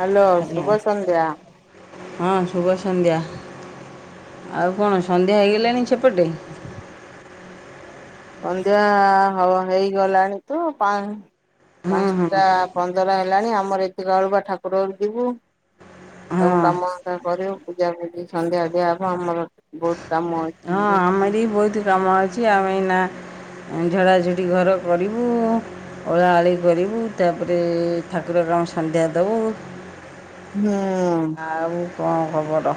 Hello ଶୁଭ ସନ୍ଧ୍ୟା ହଁ ଶୁଭ ସନ୍ଧ୍ୟା। ଆଉ କଣ ସନ୍ଧ୍ୟା ହେଇଗଲାଣି ସେପଟେ? ସନ୍ଧ୍ୟା ହ ହେଇଗଲାଣି ତୁ ପା ହଁ ହଁ ପାଞ୍ଚଟା ପନ୍ଦର। ହେଲାଣି ଆମର ଏତିକା ବେଳୁ ବା ଠାକୁର ଯିବୁ। ହଁ ସବୁ କାମ କରିବୁ। ପୂଜା ପୂଜି ସନ୍ଧ୍ୟା ଦିଆ ହବ। ଆମର ବହୁତ କାମ ଅଛି। ହୁଁ ଆମ ବି ବହୁତ କାମ ଅଛି। କି ଆମେ ନା ଅ ଝଡ଼ାଝୁଡ଼ି ଘର କରିବୁ। ଓଳା ଅଳି କରିବୁ, ତାପରେ ଠାକୁର କ ଆମେ ସନ୍ଧ୍ୟା ଦବୁ। ହୁଁ। କଣ ଖବର?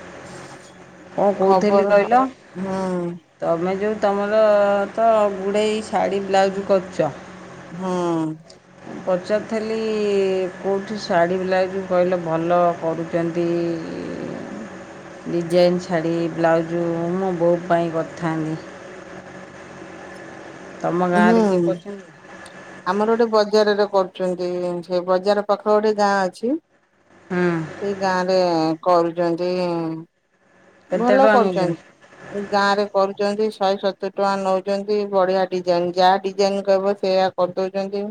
[inaudible] କଣ କହୁଥିଲି ଖବର କହିଲ ହୁଁ ତମେ ଯଉ ତମର ତ ଗୁଡ଼େ ଶାଢ଼ୀ ବ୍ଲାଉଜ୍ କରୁଛ। ହଁ। ମୁଁ ପଚାରିଥିଲି କଉଁଠି ଶାଢ଼ୀ ବ୍ଲାଉଜ କହିଲେ ଭଲ କରୁଚନ୍ତି, ଡିଜାଇନ୍ ଶାଢ଼ୀ ବ୍ଲାଉଜ ମୁଁ ବୋଉ ପାଇଁ କରିଥାନ୍ତି। ତୁମ ହୁଁ ଗାଁରେ କିଏ କରୁଛନ୍ତି ଆମର ଗୋଟେ ବଜାରରେ କରୁଛନ୍ତି ସେ ବଜାର ପାଖରେ ଗୋଟେ ଗାଁ ଅଛି। ହଁ ସେଇ ଗାଁ ରେ କରୁଚନ୍ତି। କେତେ ଭଲ ଟଙ୍କା ନେଉଛନ୍ତି କରୁଚନ୍ତି ଗାଁରେ କରୁଚନ୍ତି। ଶହେ ସତୁରି ଟଙ୍କା ନଉଛନ୍ତି ବଢିଆ ଡିଜାଇନ ଯାହା ଡିଜାଇନ କହିବ ସେଇୟଆ କରିଦଉଛନ୍ତି।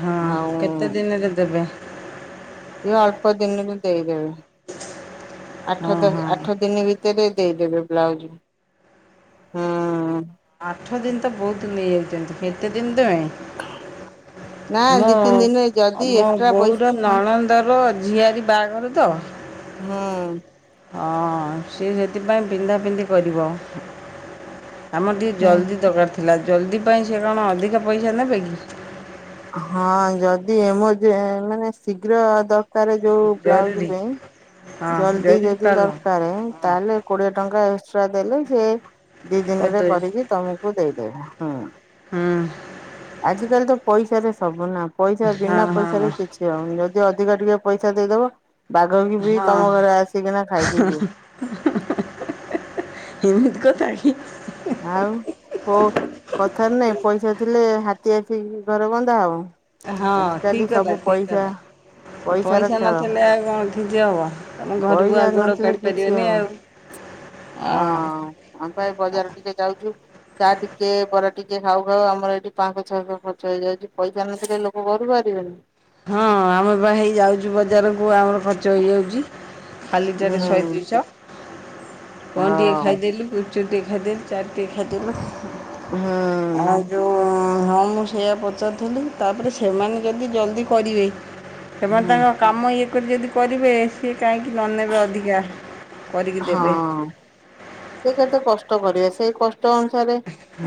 ହଁ ଆଉ କେତେ ଦିନରେ ଦେବେ? ଅଳପ ଦିନ ରେ ଦେଇଦେବେ। ହଁ ଆଠ ଦଶ ହଁ ଆଠ ଦିନ ଭିତରେ ଦେଇଦେବେ ବ୍ଲାଉଜ ହୁଁ। ଆଠ ଦିନ ତ ବହୁତ ନେଇଯାଉ ଚନ୍ତୁ କେତେଦିନ ନା ପାଇଁ ଦି ତିନି ଦିନରେ ମୁଁ ଯଦି ମୋ ଏକ୍ସଟ୍ରା ବୋଉର ପଇସା ନଣନ୍ଦର ଝିଆରୀ ବାହାଘର ତ ହୁଁ ହଁ ସିଏ ସେଥିପାଇଁ ପିନ୍ଧା ପିନ୍ଧି କରିବ। ଆମର ଟିକେ ହୁଁ ଜଲ୍ଦି ଦକାର ଥିଲା। ଥିଲା ଜଲ୍ଦି ପାଇଁ ସେ କଣ ଅଧିକା ପଇସା ନେବେ କି? ହଁ ଯଦି ଏମରଜ ମାନେ ଶୀଘ୍ର ଦ କାର ଯୋଉ ବ୍ଲାଉଜ ଜରୁରୀ ପାଇଁ ହଁ ଜଲଦି ଯଦି ଜରୁରୀକାଳୀନ ଦରକାର ହଁ ତାହେଲେ କୋଡିଏ ଟଙ୍କା ଏସ ସଟ୍ରା ଦେଲେ ସେ ଦି ଦିନରେ କରିଦେବେ କରିକି ତମକୁ ଦେଇଦେବ ହୁଁ ହୁଁ ଆଜିକାଲି ତ ପଇସା ରେ ସବୁ ନା। ପଇସା ହଁ ବିନା ପଇସାରେ ହଁ କିଛି ହଉନି ଯଦି ଯିଏ ଅଧିକ ଟିକେ ପଇସା ଦେଇଦବ। ବାଘ କି ବି ହଁ ତମ ଘରେ ଆସିକିନା ଖାଇକି ଯିବ। - [unintelligible] ଆଉ କୋଉ ଖିଆ ପି କି ଘରେ ବନ୍ଧା ହବ। ହଁ ଆଜିକାଲି ଠିକ ସବୁ କଥା ଠିକ ପଇସା କଥା ପଇସାର ପଇସା ଖେଳ ନଥିଲେ ଆଉ କଣ କି ହବ ତମେ ଘରକୁ ପଇସା ଆଉ ଗୋଡ଼ ନଥିଲେ କାଢ଼ି କିଛି ପାରିବନି ଆଉ ଅ ହଁ ଆମ ପାଇଁ ବଜାର ଟିକେ ଯାଉଛୁ ଚା ଟିକେ ବର ଟିକେ ଖାଉ ଖାଉ ଆମର ଏଠି ପାଞ୍ଚଶ ଛଅଶ ଖର୍ଚ୍ଚ ହେଇଯାଉଛି ପଇସା ନଥିଲେ ଲୋକ ଘରୁ ବାହାରିବେନି। ହଁ ଆମେ ବା ହେଇ ଯାଉଛୁ ବଜାରକୁ ଆଉ ଖର୍ଚ୍ଚ ହେଇଯାଉଛି ହୁଁ ଖାଲିଟାରେ ଶହେ ଦୁଇଶ। କଣ ଟିକେ ହଁ ଖାଇଦେଲୁ ଗୁପଚୁପ ଟିକେ ଖାଇ ଦେଲୁ ଚାଟ ଟିକେ ଖାଇଦେଲୁ। ଆଉ ହୁଁ ଯୋଉ ଉଁ ହଁ ମୁଁ ସେଆ ପଚାରୁିଥିଲି ତାପରେ ସେମାନେ ଯଦି ଜଲ୍ଦି କରିବେ ସେମାନେ ହୁଁ ତାଙ୍କ କାମ ଇ ତାଙ୍କର ଯଦି କହିଦେବେ ସେ କାହିଁକି ନନେବେ ଅଧିକା କରିକି ଦେବେ ହଁ ସେ କେତେ କଷ୍ଟ କରିବେ ସେ କଷ୍ଟ ଅନୁସାରେ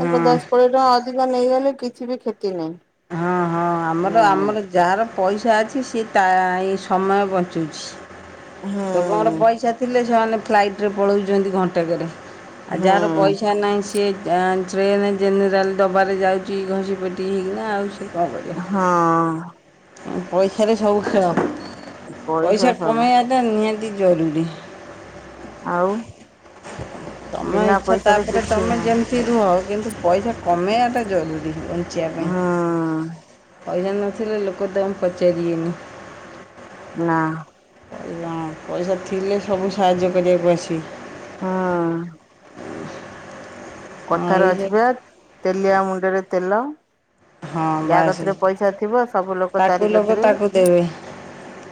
ହଁ ଦଶ କୋଡିଏ ଟଙ୍କା ଅଧିକ ନେଇଗଲେ କିଛି ବି କ୍ଷତି ନାହିଁ। ହଁ ହଁ ଆମର ହୁଁ ଆମର ଯାହାର ପଇସା ଅଛି ସିଏ ତା ସମୟ ବଞ୍ଚୁଛି ଲୋକଙ୍କର ହୁଁ ପଇସା ଥିଲେ ପିଲାମାନେ ଫ୍ଲାଇଟ୍ରେ ପଳଉଛନ୍ତି ଘଣ୍ଟାକରେ ଆ ଯାହାର ହୁଁ ପଇସା ନାହିଁ ସିଏ ଟ୍ରେନ୍ ଜେନେରାଲ ଡବାରେ ଯାଉଛି ଘଷି ପେଟିି ହେଇକି ନ ଆଉଛି ହଁ। ପଇସାରେ ସବୁ ଖପ ପଇସା କମେଇବାଟା ନିହାତି ଜରୁରି ଆଉ? ତମ ବିନା ଇଚ୍ଛା ପଇସାରେ ତାପରେ କିଛି ତମେ ହବନି। ଯେମିତି ରୁହ କିନ୍ତୁ ପଇସା କମେଇବାଟା ଜରୁରୀ ବଞ୍ଚିବା ପାଇଁ ହଁ। ପଇସା ନଥିଲେ ଲୋକ ତମକୁ ପଚାରିବେନି। ନାଁ ହଁ ପଇସା ଥିଲେ ସବୁ ସାହାଯ୍ୟ କରିବାକୁ ଆସିବେ। ହଁ। ହଁ କଥାରେ ଏଇ ଯେ ଅଛି ପରା ତେଲିଆ ମୁଣ୍ଡରେ ତେଲ ହଁ ବାସ୍ ଯାହାକତିରେ ପଇସା ଥିବ ସବୁ ଲୋକ ତାରି ତାକୁ ଲୋକ କତିରେ ତାକୁ ଦେବେ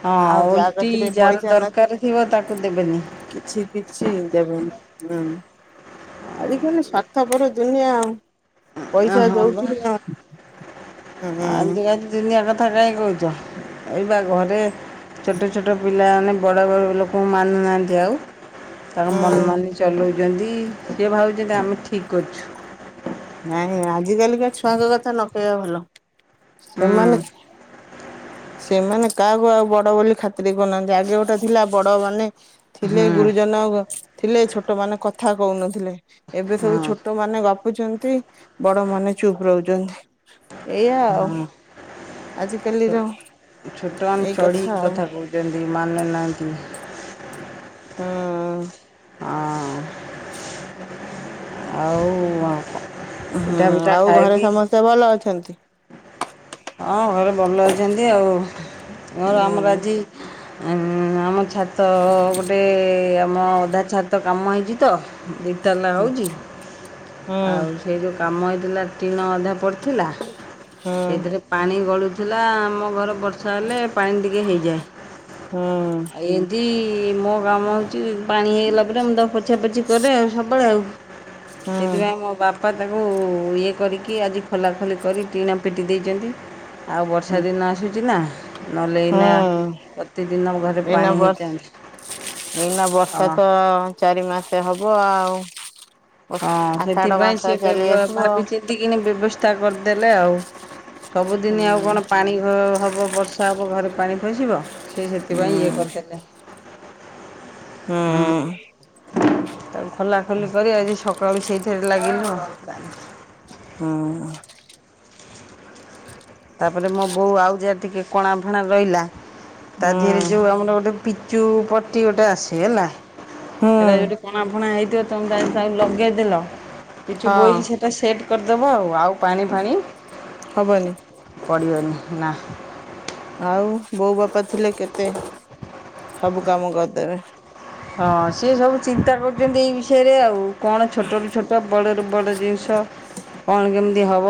ହଁ ଆଉ ଓଲଟି ଯାହାକତିରେ ଯାହାର ପଇସା ଦରକାର ଥିବ ତାକୁ ଦେବେନି ନ କିଛି କିଛି ଦେବେନି ହୁଁ। [unintelligible] ସାର୍ଥପର ଦୁନିଆ ଆଉ ପଇସା ହଁ ବା ଯଉଠି ଆଜିକାଲି ଦୁନିଆ କଥା କାହିଁ କହୁଛ ଏଇ ବା ଘରେ ଛୋଟ ଛୋଟ ପ ପିଲାମାନେ ବଡ଼ ବଡ଼ ଲୋକଙ୍କୁ ମାନୁନାହାନ୍ତି ଆଉ ତା ମନମ ଚଲୁଛି। [unintelligible] ସିଏ ଭାବୁଛନ୍ତି ଆମେ ଠିକ କରୁଛୁ। ନାଇଁ ଆଜ କାଲିକା ଛୁଆଙ୍କ କଥା ନ କହିବା ଭଲ। ହୁଁ ଏମାନେ ସେମାନେ କାହାକୁ ଆଉ ବଡ ବୋଲି ଖାତିର କରୁନାହାଁନ୍ତି ଆଗେ ଗୋଟେ ଥିଲା ବଡ ମାନେ ଥିଲେ ହୁଁ ଗୁରୁଜନ ଥିଲେ ଛୋଟ ଛୋଟ ମାନେ କଥା କହୁନଥିଲେ। ଏବେ ସବୁ ହଁ ଛୋଟମାନେ ଗପୁଚନ୍ତି ବଡ ମାନେ ଚୁପ୍ ରହୁଛନ୍ତି। ଏଇଆ ଆଉ ହଁ। ଆଜି କାଲି ର ଛୋଟମାନେ ଚଢ଼ିକି କଥା କହୁଛନ୍ତି ମାନୁ ନାହାଁନ୍ତି। ହଁ। ହଁ ଆଉ ହୁଁ ପିଠା ପିଠା ଆଉ ଘରେ ଖାଇକି ସମସ୍ତେ ଭଲ ଅଛନ୍ତି? ହଁ ଘରେ ଭଲ ଅଛନ୍ତି ଆଉ। ମୋର ହୁଁ ଆମର ଆଜି ଉ ଆମ ଛାତ ଗୋଟେ ଆମ ଅଧା ଛାତ କାମ ହେଇଛି ଚି ତ ଦି ତାଲା ହୁଁ ହଉଛି ହୁଁ ଆଉ ସେ ଯୋଉ କାମ ହେଇଥିଲା ଟିଣ ଅଧା ପଡ଼ିଥିଲା ହୁଁ ସେଇଥିରେ ପାଣି ଗଳୁଥିଲା ଆମ ଘର ବର୍ଷା ହେଲେ ପାଣି ଟିକେ ହେଇଯାଏ ହୁଁ ଆଉ ଏମିତି ମୋ କାମ ହେଉଛି ପାଣି ହେଇଗଲା ପରେ ମୁଁ ତାକୁ ପୋଛା ପୋଛି କରେ ଆଉ ସବୁବେଳେ ଆଉ। ସେଇଥିପାଇଁ ମୋ ବାପା ବାପା ତାକୁ ଇଏ କରିକି ଆଜି ଖୋଲାଖୋଲି କରି ଟିଣ ପିଟି ଦେଇଛନ୍ତି ଆଉ ବର୍ଷା ହୁଁ ଦିନ ଆସୁଛି ନା ନହେଲେ ଏଇନା ପ୍ରତିଦିନ ଘରେ ହୁଁ ଏଇନା ପାଣି ହେଇଥାନ୍ତା ବର୍ଷ ଏଇନା ବର୍ଷା ହଁ। ତ ଚାରି ମାସ। ଟେ ହବ ଆଉ। ହଁ ଆଷାଢ ସେଥିପାଇଁ ମାସ ସେ ଚାଲି ଆସିବ ହୁଁ ଭାବିଚିନ୍ତି କିନି ବ୍ୟବସ୍ଥା କରିଦେଲେ ଆଉ ସବୁଦିନ ଆଉ ହୁଁ। କଣ ପାଣି ହବ ବର୍ଷା ହବ ଘରେ ପାଣି ପଶିବ। ସେ ସେଥିପାଇଁ ଇଏ କରିଦେଲେ। ହୁଁ। ତାକୁ ଖୋଲା ଖୋଲି କରି ଆଜି ସକାଳୁ ସେଇଠି ଫେର ଲାଗିବ। ହୁଁ। ତାପରେ ମୋ ବୋଉ ଆଉ ଯାହା ଟିକେ କଣା ଫଣା ରହିଲା ତା ହୁଁ ଧିରେ ଯୋଉ ଆମର ଗୋଟେ ପି୍ଚୁ ପଟ ଗୋଟେ ଆସିେ ହେଲା ଏଇଟା ହୁଁ ଯଦି କଣା ଫଣା ହେଇଥିବ। ଲଗେଜ ହଁ [unintelligible] ଦେବ ଆଉ ଆଉ ପାଣି ଫାଣି ହବନି ପଡ଼ିବନି ନା ଆଉ ବୋଉ ବାପା ଥିଲେ କେତେ ସବୁ କାମ କରିଦେବେ ହଁ ସିଏ ସବୁ ଚିନ୍ତା କରୁଛନ୍ତି ଏଇ ବିଷ ତେରେ ଆଉ କଣ ଛୋଟରୁୁ ଛୋଟ ବଡ଼ରୁୁ ବଡ଼ ଜିନିଷ କଣ କେମିତି ଦେହବ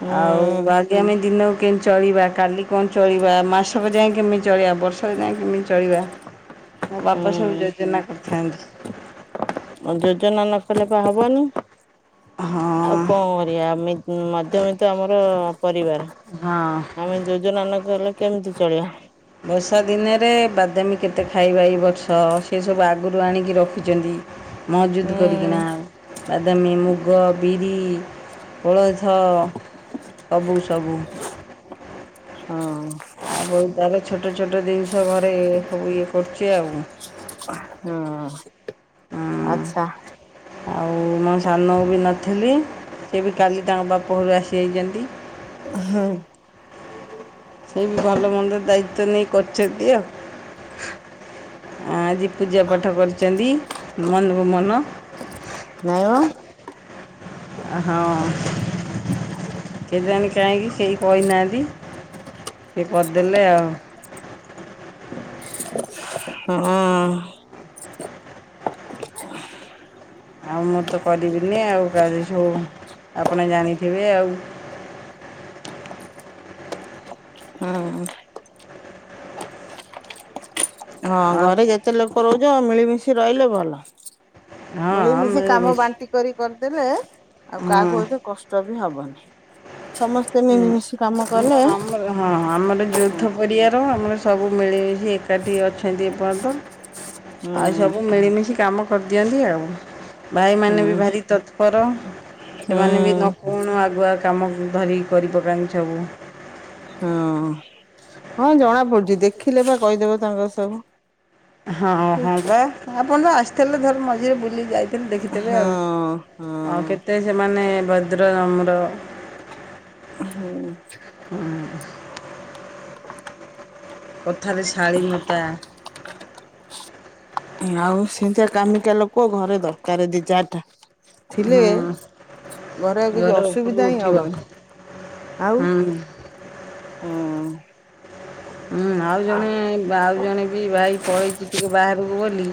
ହୁଁ ଆଉ ଆଜ୍ଞା ଆମେ ଦିନ କେମତି ଚଳିବା କାଲି କଣ ଚଳିବା ମାସବ ଯା କେମିତି ଚଳେଇିବା ବର୍ଷ ଯାଏ କେମିତି ଚଳିବା ବାପସ ହୁଁ। ଯୋଜନା କରିଥାନ୍ତି। ଆ ଯୋଜନା ନ କଲେ ବା ହବନି ହଁ ଆଉ କଣ କରିବା ମଧ୍ୟବିତ ଆମର ପରିବାର ହଁ ଆମେ ଯୋଜନା ନକଲେ କେମିତି ଚଳିବ ବର୍ଷା ଦିନରେ ବାଦାମୀ କେତେ ଖାଇବା ଏ ବର୍ଷ ସେ ସବୁ ଆଗରୁ ଆଣିକି ରଖିଛନ୍ତି। ହୁଁ ମହଜୁଦ କରିକିନା ଆଉ ବାଦାମୀ ମୁଗ ବିରି ହଳ ହଁ ସବୁ ସବୁ ହଁ ଆଉ ବ ତାର ଛୋଟ ଛୋଟ ଜିନିଷ ଘରେ ସବୁ ଇଏ କରୁଛି ଆଉ ହୁଁ। ହଁ ଆଚ୍ଛା। ଆଉ ମୁଁ ସାନକୁ ବି ନଥିଲି। ସେ କାଲି ଦ ବାବା ପରୁ ଆସିଯାଇଛନ୍ତି। ହୁଁ, ସେଇ ବି ଭଲ ମନ୍ଦ ଦାୟିତ୍ୱ ନେଇ କରିଛନ୍ତି ଆଉ ଆଜି ପୂଜା ପାଠ କରିଛନ୍ତି ମନକୁ ମନ। ନାଇଁ ମ ହଁ କେ ଜାଣି କାହିଁକି ସେହି କହିନାହାନ୍ତି ସେ କରିଦେଲେ ଆଉ ହଁ ଅଁ ଆଉ ମୁଁ ତ କରିବିନି ଆଉ ସବୁ ଆପଣ ଜାଣିଥିବେ ଆଉ। ହୁଁ, ହଁ ଘରେ ଯେତେ ଲୋକ ରହୁଛ ମିଳିମିଶି ରହିଲେ ଭଲ। ଆଉ ହଁ ମିଳିମିଶି କାମ ବାଣ୍ଟି କରି କରି ଦେଲେ। ଆଉ କାହାକୁ ଏତ କଷ୍ଟ ବି ହବନି। ସମସ୍ତେ ମିଳିମିଶି କାମ ହ କଲେ ଆମର ହଁ ଆମର ଯୌଥ ହୁଁ ପରିବାର ଆମର ସବୁ ମିଳିମିଶି ଏକାଠି ଅଛନ୍ତି ଏପର୍ଯ୍ୟନ୍ତ ହୁଁ ଆଉ ସବୁ ମିଳିମିଶି କାମ କରି ଦିଅନ୍ତିି ଆଉ। ଭାଇମାନେ ହୁଁ ବି ଭାରି ତତ୍ପର ହୁଁ ସେମାନେ ବି ନକହୁଣୁ ଆଗୁଆ କାମ ଧରିି। କରି ପକାନ୍ତି ସବୁ। ହଁ ହଁ ଜଣା ପଡୁଛି ଦେଖିଲେ ବା କହିଦେବେ ତାଙ୍କର ସବୁ। ହଁ ହଁ ପା ଆପଣ ତ ଆ ଥିଲେ ଭଲ ମଝିରେ ବ ଯାଇଥିଲି ଦେଖିଥେବେ ହଁ ଆଉ ଆଉ ହଁ କେତେ ସେମାନେ ଭଦ୍ର ନମ୍ର। ହଁମ୍ [unintelligible] କଥାରେ ଶାଳୀନତା। ଆଉ ସେମିତିଆ କାମିକା ଲୋକ ଘରେ ଦରକାର ଦି ଚାରିଟା। ଥିଲେ ହୁଁ। ଘରେ ଆଉ କିଛି ଘର ଉପରକୁ ଅସୁବିଧା ହିଁ ଉଠିବ। ହବନି ଆଉ ହୁଁ। ହଁ ହୁଁ ଆଉ ଜଣେ ଆଉ ଜଣେ ବି ଭାଇ ପଳେଇଛି ଟିକେ ବାହାରକୁ ବୋଲି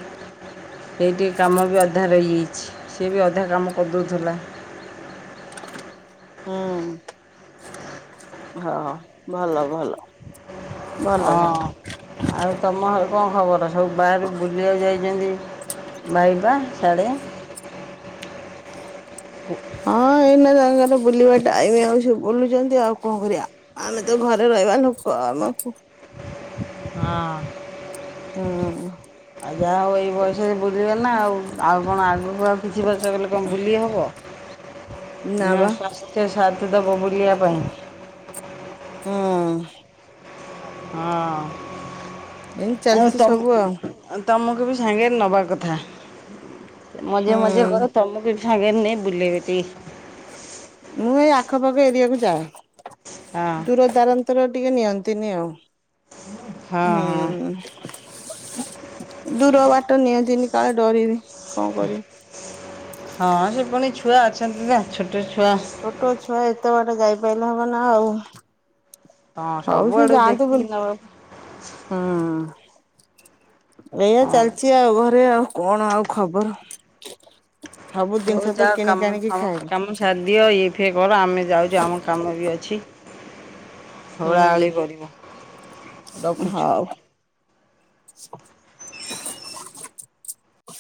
ଏଠି କାମ ବି ଅଧା ରହିଯାଇଛି ସେବି ଅଧା କାମ କରିଦଉଥିଲା। ହୁଁ ହଁ ଭଲ ଭଲ। ଭଲ ଭଲ। ହଁ ଆଉ ତମ କଣ ଖବର ସବୁ ବାହାରୁ ବୁଲିବାକୁ ଯାଇଛନ୍ତି। ବାଇବା ଶ଼େ ହଁ ଏଇନେ ଜା ର ବୁଲିବା ଟାଇମ ଆଉ ସେ ବୁଲୁଛନ୍ତି ଆଉ କଣ କରିବା ଆମେ ତ ଘରେ ରହିବା ଲୋକ ଆମକୁ ହଁ। ଆଉ ଯାହା ହଉ ଏଇ ବୟସରେ ବୁଲିବନା ଆଉ ଆଉ କଣ ଆଗକୁ ଆଉ କିଛି ବର୍ଷ ଗଲେ କଣ ବୁଲି ହବ। ନା ନା ବା ସ୍ୱାସ୍ଥ୍ୟ ସାଥ ଦବ ବୁଲିବା ପାଇଁ। ହଁ। ଏମିତି ଆଉ ଚାଲିଛି ସବୁ ଆଉ ତମୁ ତମକୁ ବି ସାଙ୍ଗେରେ ନେବା କଥା। ମଯେ ହୁଁ। ମଜେ କର ତମକୁ ବି। ସାଙ୍ଗରେ ନେଇ ନେଇ ବୁଲେଇ ବେ ଟିକେ। ମୁଁ ଏଇ ଆଖପାଖ ଏରଆକୁ ଯାଏ। ହଁ ଦୂର ଦାରାନ୍ତର ଟିକେ ନିଅନ୍ତି। ନ୍ତିନି ଆଉ। ହଁ ହୁଁ। ହଁ ଦୂର ବାଟ ନିଅତିନୀ କାଳେ ଡରିବି। କଣ କରିବି। ହଁ ସେ ପଣି। ଛୁଆ ଅଛନ୍ତି ନା ଛୋ ଛୋଟ ଛୁଆ ଏତେ ବାଟ ଯାଇପାରି ଭା ବନା ଆଉ। ହଁ ହଉ ସେୁ ସବୁଆଡୁ ଯାଆନ୍ତୁ ଦେଖିକି ବୁଲି ନବାକୁ ହୁଁ। ହ ଏଇଆ ହଁ ଚାଲିଛି ଆଉ ଘରେ ଆଉ। କଣ ଆଉ ଖବର। ସବୁ ହଉ ଜିନିଷ ତ ଯାଅ କିଣିକି କାମ ଆଣିକି ଫାମ ଖାଇଲେ କାମ ସାରି ଦିଅ ଇଏ ଫିଏ କର ଆମେ ଯାଉଛୁ ଆମ କାମ ବି ଅଛି। ଓଳା ଓଳି ହୁଁ କରିବୁ ରଖୁଛୁ। ହଉ। [unintelligible]